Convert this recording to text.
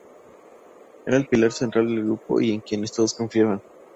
Era el pilar central del grupo y en quienes todos confiaban.